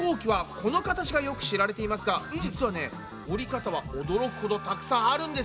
この形がよく知られていますが実はね折り方は驚くほどたくさんあるんです。